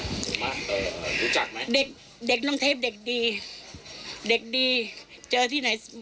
หมู่บ้านรู้จักไหมเด็กเด็กน้องเทปเด็กดีเด็กดีเจอที่ไหน